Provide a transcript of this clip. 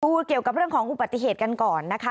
เกี่ยวกับเรื่องของอุบัติเหตุกันก่อนนะคะ